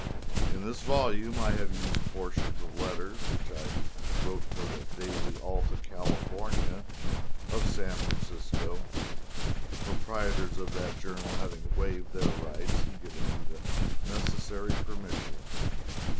In this volume I have used portions of letters which I wrote for the Daily Alta California, of San Francisco, the proprietors of that journal having waived their rights and given me the necessary permission.